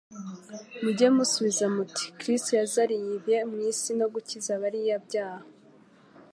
mujye musubiza muti : «Kristo yazariyve mu isi no gukiza abariyabyaha.»